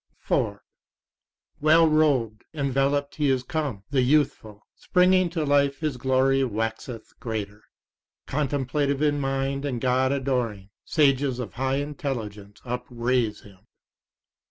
4 Well robed, enveloped he is come, the youthful: springing to life his glory waxeth greater. Contemplative in mind and God adoring, sages of high intelligence upraise him.